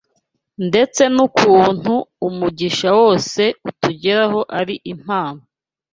ndetse n’ukuntu umugisha wose utugeraho ari impano